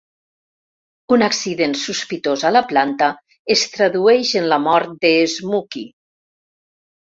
Un accident sospitós a la planta es tradueix en la mort de Smokey.